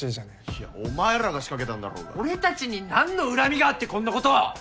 いやお前らが仕掛けたんだろうが俺達に何の恨みがあってこんなことを！